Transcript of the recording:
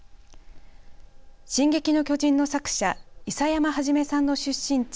進撃の巨人の作者諫山創さんの出身地